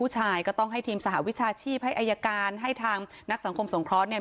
ก็ต้องให้ทีมสหวิชาชีพให้อายการให้ทางนักสังคมสงเคราะห์เนี่ย